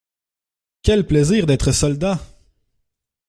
Quel plaisir d'être soldat!